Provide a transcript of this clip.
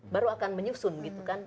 baru akan menyusun gitu kan